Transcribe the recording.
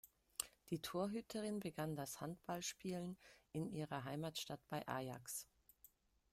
Die Torhüterin begann das Handballspielen in ihrer Heimatstadt bei Ajax.